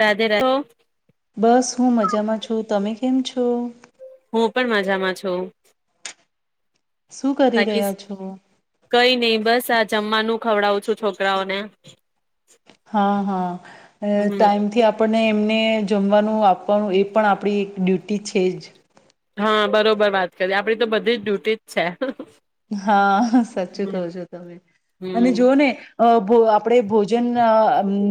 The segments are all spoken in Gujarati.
રાધે રાધે બસ હું મજામાં છું તમે કેમ છો. હું પણ મજામાં છું. શું કરી બાકી રહ્યા છો? કઈ નઈ બસ આ જમવાનું ખવડાવું છું છોકરાઓને હા, હા, હ હમ ટાઈમથી આપણને એમને જમવાનું આપવાનું એ પણ આપણી એક ડ્યુટી છે જ હા બરોબર વાત કરી આપણી તો બધીય ડ્યુટી જ છે. હા સાચું હમ કહો છો, તમે અને હમ જો ને અ ભો આપણેે ભોજન અ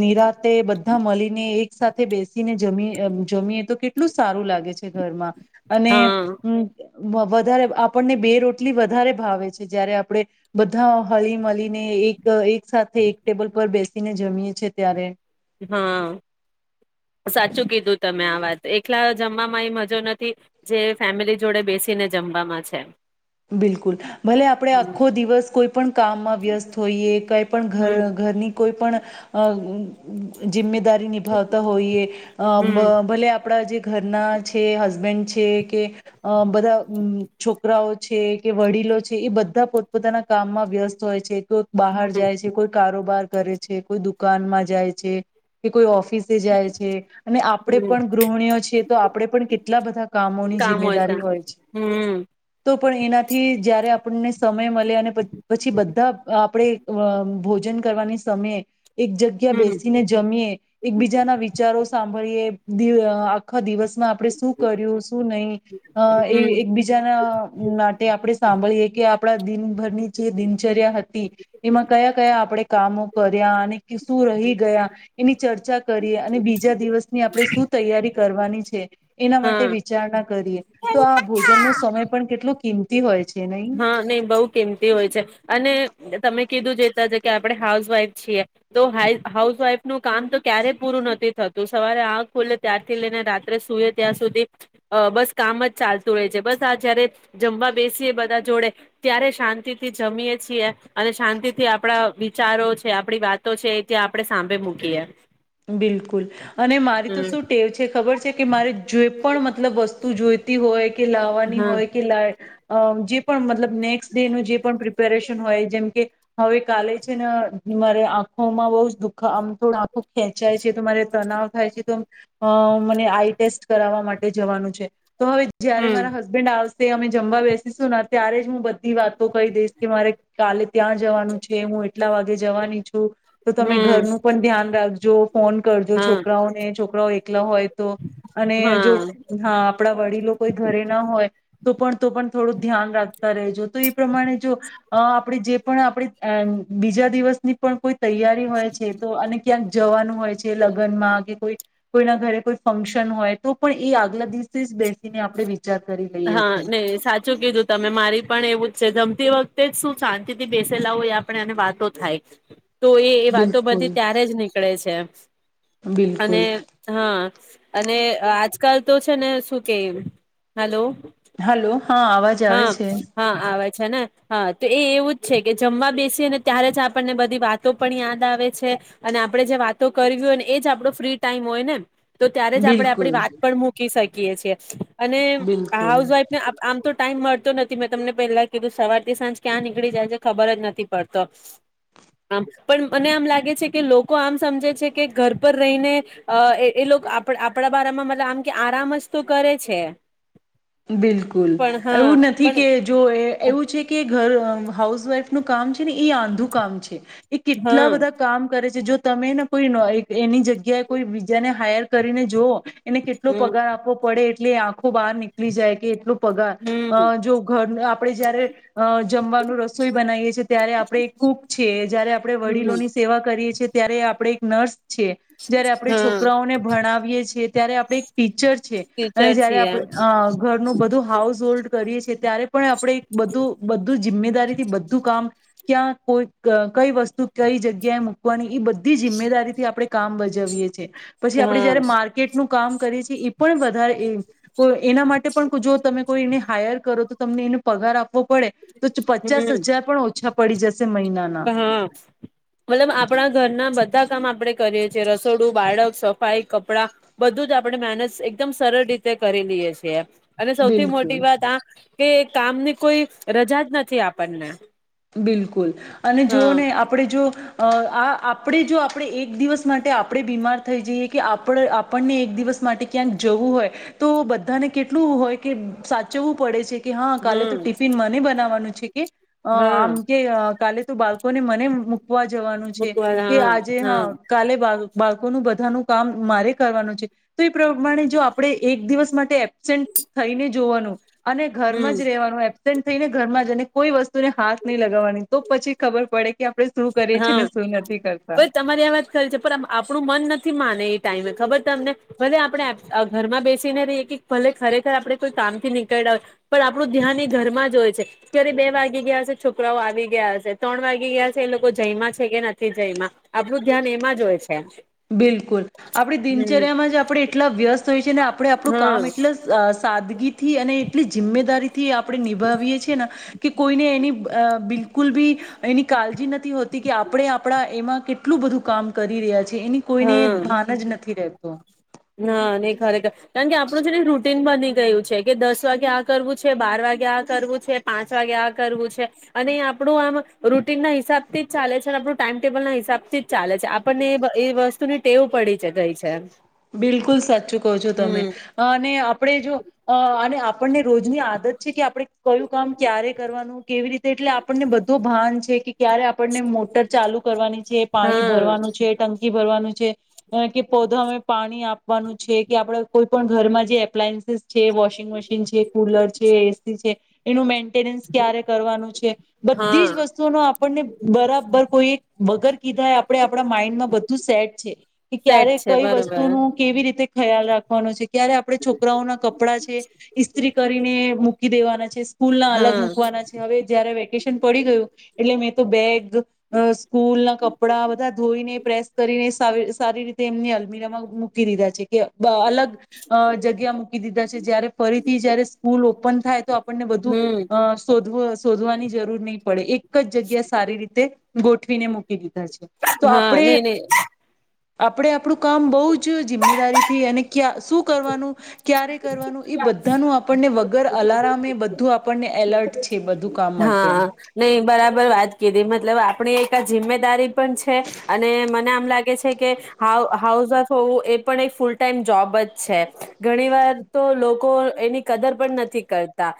નિરાતે બધા મળીને એક સાથે બેસીને જમીએ જમીએ તો કે એટલું સારું લાગે [unintelligible] છે ઘરમાં અને હા હમમ બવ વધારે આપણને બે રોટલી વધારે ભાવે છે જયારે આપણેે બધા હળી મળીને એક એક સાથે એક ટેબલ પર બેસ ને જમીએ છે ત્યારે હાં સાચું કીધું તમે આ વાત, એકલા જમવામાં એ મજા નથી જે ફેમિલી જોડે બેસીને જમવામાં છે. બિલકુલ, ભલે આપણે હમ આખો દિવસ કોઈ પણ કામમાં વ્યસ્ત હોઈએ, કંઈ પણ ઘર હમ ઘરની કોઈ પણ અ જિમીત દારી નિભાવતા હોઈએ, અ બ હમ ભલે આપણા જે ઘરના છે હસબેન્ડ છે, કે અ બધા હમ્મ છોકરાઓ છે કે વડીલો છે, એ બધા પોતપોતાના કામમાં વ્યસ્ત હોય છે. કોક બહાર હમ જાય છે, કોઈ કારોબાર કરે છે, કોઈ દુકાનમાં જાય છે કે કોઈ ઓફ ફિસે જાય છે અને આપણે હમ પણ ગૃહિણીઓ છે, તો આપણેે પણ કેટલા બધા કામોની જિમ્મેદારી હોય છે. હમ તો પણ એનાથી જયારે આપણને સમય મલે અને પ પછી બધા આપડે અ ભો જન કરવાની સમયે એક જગ્યા હમ બેસીને જમીએ, એકબીજાના વિચારો સાંભળીએ. દિલ અ આખો દિવસ આપણે શું કર્યું? શું નઈ? અ એ હમ એકબીજાના માટે આપણે સાંભળીએ કે આ આપણા દિનભરની જે દિનચર્યા હતી એમાં કયા કયા આપણેે કામો કર્યા અને શું રહી ગયા એની ચર્ચા કરીએ અને બીજા દિવસની આપણેે શું તૈયારી કરવાની છે. [inaudible] એના હા માટે વિચારણા કરીએ તો આ ભોજનનો સમય કેટલું કિંમતી હોય છે. નહી હા નહી બહુ કિંમતી હોય છે. અને તમે કીધું જે તા જે, કે આપડણે હાઉસવાઈફ છીએ તો હા હાઉસવાઈફ નું કામ તો ક્યારેય પૂરું નથી થતું, સવારે આગ ખુલે ત્યારથી લઈને રાત્રે સુએ ત્યાં સુધી અ બસ કામ જ ચાલતું રહે છે, બસ આ જયારે જમવા બેસીએ બધા જોડે ત્યારે શાંતિથી જમીએ છીએ, અને શાંતિ થી આપણા વિચારો છે, આપણી વાતો છે, એ ત્યાં આપણે સાંભળે મૂકીએ. બિલકુલ, અને મારી તો હમ શું ટેવ છે ખબર છે. કે મારે, જે પણ મતલબ વસ્તુ જોઈતી હોય. કે લાવવાની હા હોય કે લ અ જે પણ મતલબ નેક્સ્ટ ડે નું જે પણ પ્રિપેરેશન હોય, જેમકે હવે કાલે છે ન મારે આંખોમાં બહુ જ દુઃખ આમ થોડ આંખો ખેંચાય છે, તો મારે તનાવ થાય છે તો મને આઈટેસ્ટ કરાવવા માટે જવાનું છે. તો હવે જયારે હમ મારા હસબન્ડ આવશે તે અમે જમવા બેસીશું ત્યારે જ હું બધી વાતો કહી દઈશ કે મારે કાલે ત્યાં જવાનું છે, હું કેટલા વાગે જવાની. તુ તો તમે હમ ઘરનું પણ ધ્યાન રાખજો. ફોન કરજો, હા છોકરાઓને છોકરાઓ એકલા હોય તો, અને જો હા હા આપણા વડીલો કોઈ ઘરે ના હોય તો પણ, તો પણ થોડું ધ્યાન રાખતા રેજો તો એ પ્રમાણે જો આપણે જે પણ આપણે બીજા દિવસની પણ કોઈ તૈયારી હોય છે તો અને ક્યાંક, જવાનું હોય છે લગમાં કે કોઈ કોઈના ઘરે કોઈ ફંક્શન હોય તો પણ એ આગલા દિવસ બેસીને આપણે વિચાર કરી લઈએ હા છીએ નઈ સાચું કીધું તમે મારી પણ એવું જ છે ગમતી વખતે જ શું શાંતિ થી બેસેલા હોય આપણે વાતો થાય તો એ એ વાતો બધી ત્યારે જ ની પકળે છે અને બિલ હા અને આજ, કાલ તો છે ને શું કે હલો હલો હા અવાજ આવે હા, છે હા, આવે છે ને હા તો એ એવું જ છે કે જમવા બેસીને ત્યારે જ આપણને બધી વાતો પણ યાદ આવે છે અને આપણે જે વાતો કરવી હોય ને એ જ આપણો ફ્રી ટાઈમ હોય ને તો ત્યારે જ આપડે બિલકુલ આપડી વાત પણ મૂક કી શાઈકીએ છીએ અને આ બિલકુલ હાઉસ વાઈફ ને આમ તો ટાઈમ મળતો નથી મેં તમને પહેલા કીધું સવાર થી સાંજ ક્યાં નીકળી જાય છે ખબર જ નથી પડતો, આમ પણ મને આમ લાગે છે કે લોકો આમ સમજે છે કે ઘર પર રહીને અ એ લોકો આપણા આપણા બારામાં મતલબ આમ કે આરામ જ તો કરે છે. બિલકુલ. પણ કુલ હા એવું નથી પણ કે જો એ એવું છે કે ઘર અ હાઉસ વાઈફ નું કામ છે ને એ આંધું કામ છે એ કેટલા હા બધા કામ કરે છે જો તમે ને કોઈ એની જગ્યાએ કોઈ બીજા ને હાયર કરીને જોઓ એને કેટલો હમ પગાર આપવો પડે એટલે આખું બહાર ની જાય કે એટલું પગાર હમ અ જો ઘર આપણે જયારે જમવાનું રસોઈ બનાવીએ છીએ ત્યારે આપણે કૂક છીએ જયારે આપણે હમ વડીલોની સેવા કરીએ છીએ ત્યારે આપડે એક નર્સ છીએ જયારે આપણે હા છોકરાઓને ભણાવીએ છિએ ત્યારે આપણે એક ટીચર છીએ અને ટીચર જયારે છીએ આપણે અ ઘરનું બધું હાઉસ હોલ્ડ કરીએ છીએ ત્યારે પણ આપણેે બધું બધું જિમ્મેદારી થી બધું કામ ક્યાં કોઈ ક કઈ વસ્તુ કઈ જગ્યાએ મૂકવાની ઈ બધુ બધી જિમ્મેદારીથી આપણે કામ બજાવવીએ પછી આપડે હા જયારે માર્કેટનું કામ કરી ઈ પણ વધારે એ એના માટે પણ જો તમે કોઈ એને હાયર કરો તો તમને એનો પગાર આપ આપવો પડે તો પચાસ હમ હજાર પણ ઓછા પડી જશે મહિના હા, મતલબ આપણા ઘર ના બધા કામ આપડે કરીએ છીએ રસોડું, બાળક, સફાઈ, કપડા બધું જ આપણે મહેનજ એકદમ સરળ રીતે કરી લઈએ છીએ. અને સૌથી બિલકુલ મોટી વાત આ કે કામ ની કોઈ રજા જ નથી આપણને બિલકુલ અને હા જોને આપણેે જો આ આ આપણે જો આપણે એક દિવસ માટે આપણે બીમાર થઈ જઈએ કે આપણ આપણને એક દિવસ માટે ક્યાંક જવું હોય તો બધાને કેટલું હોય કે સાચવવું પડે છે કે હા કાલે તો હમ ટિફિન મને બનાવાનું છે છે કે અ હા આમકે કાલે બાળકો ને મને વા જવાનું છે મૂકવા કે હા આજે હા કાલે બાર બાળકોનું બધાનું કામ મારે કરવાનું છે તો એ પ્રમાણે જો આપણે એક દિવસ માટે એબ્સેન્ટ થઈને જોવાનું અને હમ ઘરમાં જ રહેવાનું એબસેન્ટ થઈને ઘરમાં જ અને કોઈ વસ તો ને હાથ નહી લગાવવાની તો પછી ખબર પડે કે આપણે શું કરીએ છીએ ને હા શું નથી કરતા. ભઈ તમારી આ વાત ખરી છે. પણ આપણું મન નથી માને ટાઈમે ખબર તમને. ભલે આપડે આ ઘરમાં બેસીને રહીએ કે ભલે ખરેખર આપડે કોઈ કામ થી નીકળ્યા હોય પણ આપડું ધ્યાન એ ઘર માં જ હોય છે ક્યારે બે વાગી ગયા હશે છોકરાઓ આવી ગયા હશે ત્રણ વાગી ગયા હ થી એ લોકો જમ્યા છે કે નથી જમ્યા આપણું ધ્યાન એમાં જ હોય છે બિલકુલ આપડી હમ દિનચર્યામાં જ આપણે એટલા વ્યસ્ત થઈ છીએ ને આપણે આપણું હા કામ એટલે સાદ સાદગી થી અને એટલી જિમ્મેદારી થી આપણે નિભાવીએ છીએ ને કે કોઈને એની અ બિલકુલ બી એની કાળજી ન- થી હોતી કે આપણે આપણા એમાં કેટલું બધું કામ કરી રહ્યા છે. તે એની કોઈને ભાન જ નથી રહે તો હ નહી ખરેખર કારણ કે આપણું છે ને રૂટીન બની ગયું છે કે, દસ વાગે આ કરવું છે, બાર વાગે આ કરવું છે, પાંચ વાગે આ કરવું છે અને એ આપણું આમ રૂટીન ના હિસાબથી જ ચાલે છે અને આપણું ટાઈમ ટેબલ ના હિસાબથી જ ચાલે છે આપણને એ વસ્તુની ટેવ પડી ગઈ છે. બિલકુલ સાચું કહો છો તમે હમ અને આપણે જો અ અને આપણને રોજની આદત છે કે આપણે કયું કામ ક્યારે કરવાનું કેવી રીતે એટલે આપણને બધો ભાન છે કે ક્યારે આપણને મોટર ચાલુ કરવાની છે પાણી હા ભરવાનું છે ટંકી ભરવાનું છે. હ કે પૌધા- ણી આપવાનું છે કે આપડ કોઈ પણ ઘરમાં જે એપ્લાયન્સીસ છે. વોશિંગ મશીન છે, કુલર છે, એસી છે. એનું મે મેન્ટેનન્સ ક્યારે કરવાનું છે બધી જ હા વસ્તુઓ નુ આપણને બરાબર કોઈ એક વગર કીધા આપણે આપણા માઈન્ડમાં બધું સેટ છે કે સેટ ક્યારે છે કઈ વસ્તુ બરોબર તો નો કેવી રીતે ખ્યાલ રાખવાનો છે. ત્યારે આપણે છોકરાઓના કપડા છે ઇસ્ત્રી કરીને મૂકી દેવાના છે સ્કૂલ ના અલગ હા મૂકવાના છે હવે જયારે વે વેકેશન પડી ગયું એટલે મેં તો બેગ સ્કૂલ ના કપડા બધા ધોઈને પ્રેસ કરીને સા સારી રીતે એમની અલમીરામાં મૂકી દીધા છે. અલગ અ જગ્યા મૂકી દીધા છે જયારે ફરીથી જયારે સ્કૂલ ઓપન થાય તો આપણને બધું હમ અ શોધવ શોધવાની જરૂર નહી પડે એક જ જગ્યા સારી રીતે ગોઠવીને મૂકી દ [unintelligible] તો હા આપણેે નહી આપણે નહી આપ આપણું કામ બઉ જિમ્મેદારીથી અને ક્યા શું કરવાનું ક્યારે કરવાનું એ બધાનું આપણને વ ગર અલારમે એ બધું આપણને એલર્ટ છે. બધું કામ માટે હા, નહીં બરાબર વાત કીધી મતલબ આપણી એક આ જિમ્મેદારી પણ છે અને મને આમ લાગે છે કે હાઉ હાઉસ વાઇફ હોવું એ પણ એક ફૂલ ટાઈમ જોબ જ છે ઘણી વાર તો લોકો એની કદર પણ નથી કરતા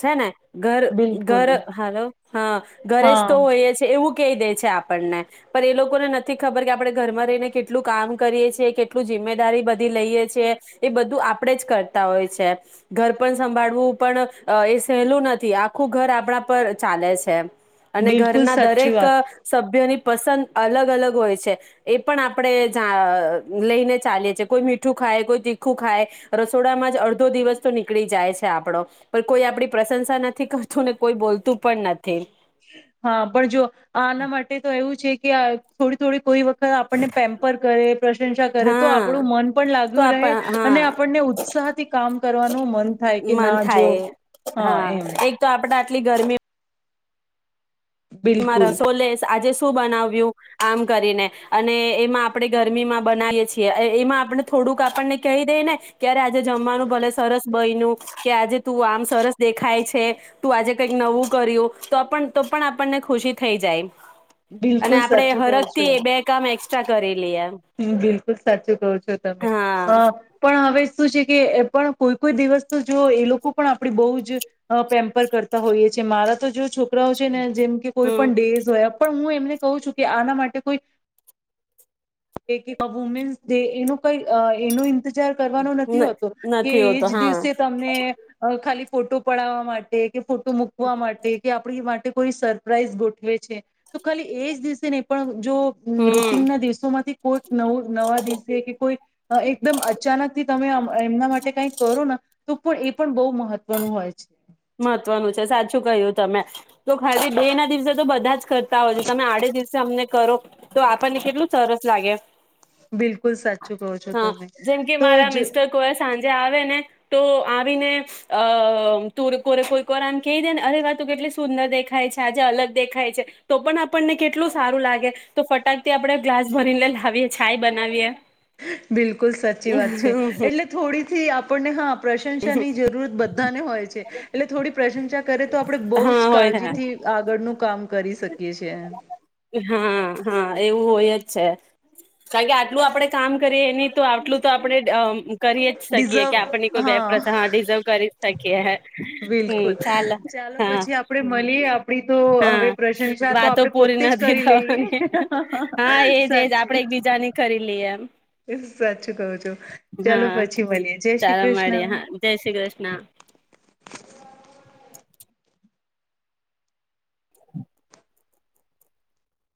છે ને ઘર બિલકુલ ઘર હાલો હા ઘરે હા જ તો હોઈ છે. એવું કહી દે છે આપણને પણ એ લોકોને નથી ખબર કે આપણે કહી દે છે આપઘરમાં રહીને કેટલું કામ કરીએ છ કેટલું જિમ્મેદારી બધી લઈએ છએ એ બધું આપણેે જ કરતા હોય છે ઘર પણ સંભાળવું પણ એ સહેલું નથી આખું ઘર આપણા પર ચાલે છે. અને બિલકુલ ઘરના સાચી દરેક અ વાત સભ્યની પસંદ અલગ-અલગ હોય છે એ પણ આપણેે જા લઈને ચાલીએ છીએ કોઈ મીઠું ખાય, કોઈ તીખું ખાય, રસોડામાં જ અડધો દિવસ તો નીકળી જાય છે આપડો પણ કોઈ આપડી પ્રશંસા નથી કર ને કોઈ બોલતું પણ નથ હા પણ જો આના માટે તો એવું છે કે થોડી-થોડી કોઈ વત આપણને પેમ્પર કરે પ્રશંસા કરે તો હા આપણું મન પણ તો લાગ્યું આપ રહે હા અને આપણને ઉત્સાહથી કામ કરવાનું મન થાય કે મન ના જો હા એમ કેટલી ગરમી મા બિલકુલ રસોલેસ આજે શું બનાવ્યું આમ કરીને અને એમાં આપણે ગરમીમાં બનાવીયે છીએ એમાં આપણે થોડુંક આપણને કહી દઈ ને કે આજે જમવાનું ભલે સરસ બયનું કે આજે તું આમ સરસ દેખાય છે, તું આજે કઈક નવું કર્યું તો પણ તો પણ આપણને ખુશી થઈ જાય. અને બિલકુલ આપડે હરખથી બે કામ એ ચ કરે. હમ્મ, બિલકુલ સાચું કહો છો તમે હા પણ હવે શું છે કે પણ કોઈ-કોઈ દિવસ તો જો એ લોકો પણ આપણી બહુ જ પેમ્પર કરતા હોઈએ છીએ મારા તો જો છો કરાઓ છે ને જેમ કે કોઈ પણ ડેઝ હોય પણ હું એમને કહું છું કે આના માટે કોઈ કે વુમનસ ડે એનું કઈ એનું ઈતઝાર કરવાનો નથી હમ હોતો કે નથી એજ હોતો હા દિવસે તમને અ ખાલી ફોટો પડાવવા માટે કે ફોટો મૂકવા માટે કે આ આપણી માટે કોઈ સરપ્રાઈઝ ગોઠવે છે, તો ખાલી એજ દિવસે નય પણ જો હમ રૂટીન ના દિવ કોઈક નવું નવા દિવસે કે કોઈ એકદમ અચાનક થી તમે એમના માટે કઈ કરો ન તો પણ એ પણ બહુ મહત્વનું હોય છે. મહત્વનું છે સાચું કહ્યું તમે, તો ખાલી બે ના દિવસે તો બધા જ કરતા હોય છે. તમે આડે દિવસે અમને કરો, તો આપણને કેટલું સરસ લાગે. બિલકુલ સાચું કહો છો તમે, તો જ જે આવે ને તો આવીને અ તુર કોરે કોઈ કો વાર આમ કહી દે ને અરે વા તું કેટલી સુંદર દેખાય છે, આજે અલગ દેખાય છે, તો પણ આપણને કેટલું સારું લાગે તો ફટાકથી આપડણે ગ્લાસ ભરીને લાવીએ છાય બનાવીએ. બિલકુલ સાચી વાત છે, એટલે થોડી. થી આપણને હા પ્રશંસા ની જરૂરત બધાને હોય છે, એટલે થોડી પ્રશંસા કરે તો આપડણે બહુ હા જ હોય હા કાળજીથી આગળનું કામ કરે. કરી શકીએ છે. હા, હા એવું હોય જ છે, કારણ કે આટલું આપડે કામ કરીએ, એની તો આટલું તો આપડણે કરી જ શકીએ કે આપણને કોઈ બે પ્રથા હા રિઝર્વ કરી શકીએ [inaudible] હમ બિલકુલ ચાલ ચાલો હા પછી, આપડે મળીએ આપડી તો હા હવે પ્રશંસા તો વાતો આપણે પૂરી પોતે જ નથી કરી લઈએ થવાની, હા એજ એજ આપણે સાચું એક બીજાની ખરી લઈએ, સાચું કહું છું ચાલો હા પછી મળીએ જય શ્રી ચાલો મળી કૃષ્ણ હા જય શ્રી કૃષ્ણ.